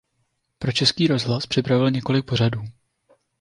Pro Český rozhlas připravil několik pořadů.